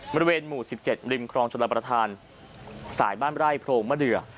บริเวณหมู่๑๗ริมครองชลประธานสายบ้านไร่โพรงมะเดือ